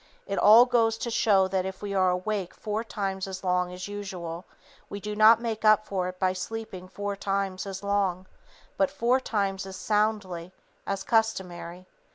It all goes to show that if we are awake four times as long as usual, we do not make up for it by sleeping four times as long, but four times as soundly, as customary.